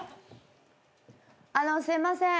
あのすいません。